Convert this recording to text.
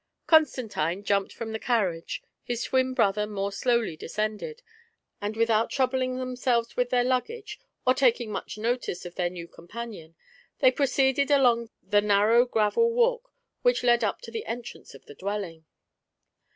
Constantine jumped from the carriage; his twin brother more slowly descended, and witiiout troubling themselves 12 THE ARRIVAL. with their luggage, or taking much notice of their new companion, they proceeded along the narrow gravel walk which led up to the entrance of the dwelling.